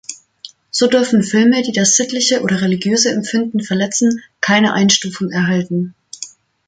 So dürfen Filme, die das „sittliche oder religiöse Empfinden“ verletzen, keine Einstufung erhalten.